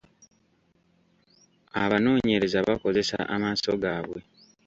Abanoonyereza bakozesa amaaso gaabwe.